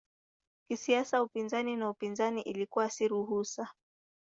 Kisiasa upinzani na upinzani ilikuwa si ruhusa.